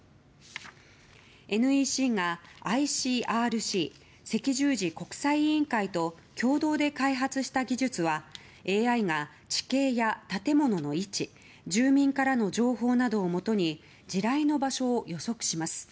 ＮＥＣがＩＣＲＣ・赤十字国際委員会と共同で開発した技術はＡＩが地形や建物の位置住民からの情報などをもとに地雷の場所を予測します。